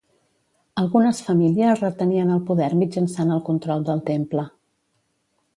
Algunes famílies retenien el poder mitjançant el control del temple.